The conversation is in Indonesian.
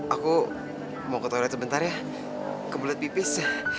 aku mau ke toilet sebentar ya ke bulet pipis